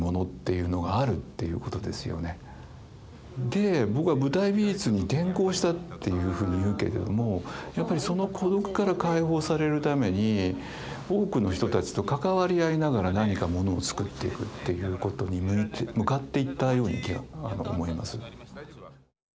で僕は舞台美術に転向したっていうふうに言うけれどもやっぱりその孤独から解放されるために多くの人たちと関わり合いながら何かモノをつくっていくっていうことに向かっていったように思います。